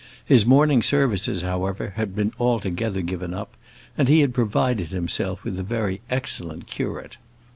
His morning services, however, had been altogether given up, and he had provided himself with a very excellent curate.